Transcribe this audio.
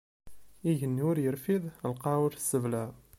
Igenni ur irfid, lqaɛa ur tesseblaɛ.